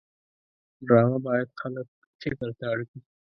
ډرامه باید خلک فکر ته اړ کړي